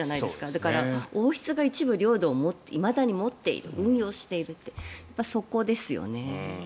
だから、王室が一部領土をいまだに持っている運用しているってそこですよね。